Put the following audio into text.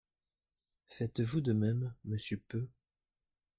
Faites-vous de même, monsieur Peu?